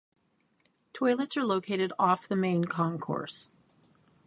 Toilets are located off the main concourse.